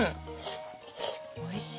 おいしい。